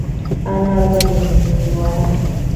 انار ولې ملي میوه ده؟